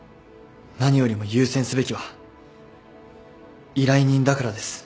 何よりも優先すべきは依頼人だからです。